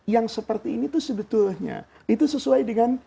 yang seperti ini itu sesuai dengan